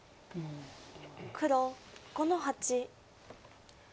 黒５の八。